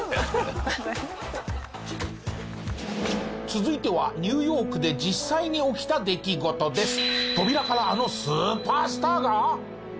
続いてはニューヨークで実際に起きた出来事です。